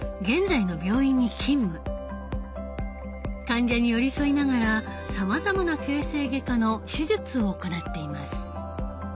患者に寄り添いながらさまざまな形成外科の手術を行っています。